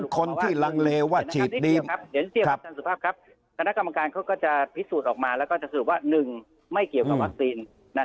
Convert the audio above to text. คนที่ลังเลว่าถ้าคณะกรรมการก็ก็จะพิสูจน์ออกมาและก็จะสรุปว่า๑ไม่เกี่ยวกับวัคซีน